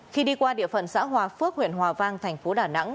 khi đi qua địa phận xã hòa phước huyện hòa vang thành phố đà nẵng